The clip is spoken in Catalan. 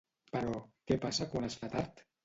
Però què passa quan es fa tard?